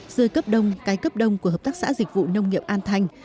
rươi cấp đông cái cấp đông của hợp tác xã dịch vụ nông nghiệp an thanh